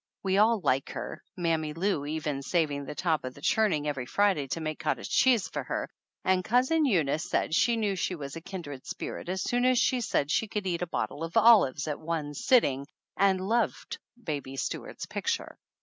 We all like her, Mammy Lou even saving the top of the churning every Friday to make cot tage cheese for her; and Cousin Eunice said she knew she was a kindred spirit as soon as she said she could eat a bottle of olives at one sit ting and loved Baby Stuart's picture.